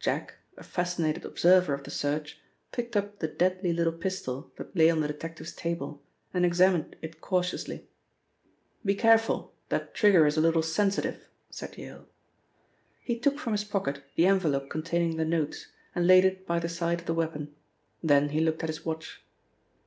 Jack, a fascinated observer of the search, picked up the deadly little pistol that lay on the detective's table, and examined it cautiously. "Be careful, that trigger is a little sensitive," said Yale. He took from his pocket the envelope containing the notes, and laid it by the side of the weapon. Then he looked at his watch.